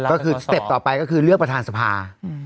ก็คือสเต็ปต่อไปก็คือเลือกประธานสภา